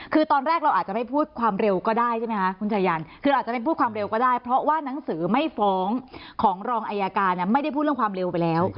คือตอนแรกเราอาจจะไม่พูดความเร็วก็ได้ใช่ไหมคะคุณชายันคืออาจจะไม่พูดความเร็วก็ได้เพราะว่านังสือไม่ฟ้องของรองอายการไม่ได้พูดเรื่องความเร็วไปแล้ว